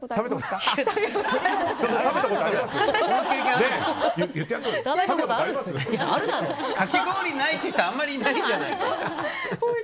かき氷ないって人あんまりいないんじゃない。